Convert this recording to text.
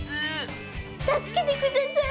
たすけてください。